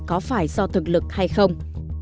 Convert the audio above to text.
có phải do thực lực hay không